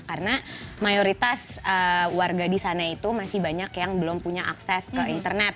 karena mayoritas warga di sana itu masih banyak yang belum punya akses ke internet